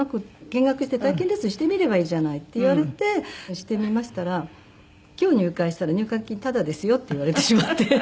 「見学して体験レッスンしてみればいいじゃない」って言われてしてみましたら「今日入会したら入会金タダですよ」って言われてしまって。